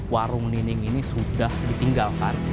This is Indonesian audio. warung nining ini sudah ditinggalkan